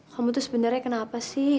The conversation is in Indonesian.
kamu tuh sebenarnya kenapa sih